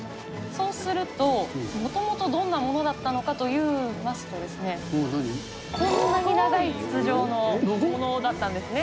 そうすると、もともとどんなものだったのかといいますとですね、こんなに長い筒状のものだったんですね。